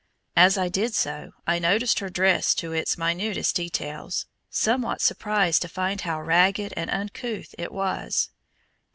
As I did so, I noticed her dress to its minutest details, somewhat surprised to find how ragged and uncouth it was.